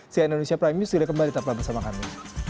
cnm indonesia prime news sudah kembali tetap bersama kami